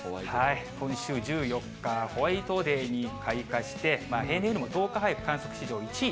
今週１４日、ホワイトデーに開花して、平年よりも１０日早く、観測史上１位。